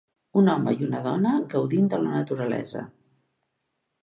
Un home i una dona gaudint de la naturalesa.